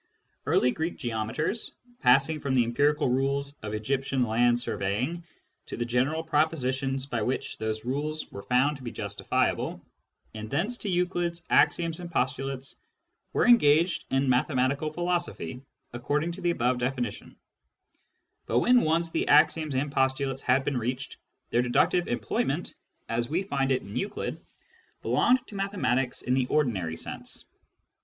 Early Greek geometers, passing from the empirical rules of Egyptian land surveying to the general propositions by which those rules were found to be justifiable, and thence to Euclid's axioms and postulates, were engaged in mathematical philos ophy, according to the above definition ; but when once the axioms and postulates had been reached, their deductive employ ment, as we find it in Euclid, belonged to mathematics in the I £ Introduction to Mathematical Philosophy ordinary sense.